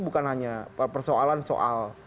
bukan hanya persoalan soal